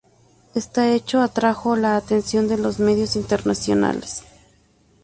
Esta hecho atrajo la atención de los medios internacionales.